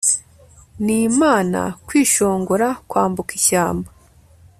Ni Imana Kwishongora kwambuka ishyamba